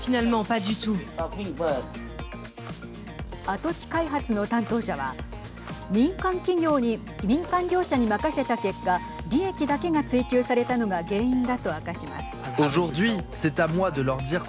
跡地開発の担当者は民間業者に任せた結果利益だけが追求されたのが原因だと明かします。